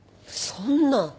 そんな。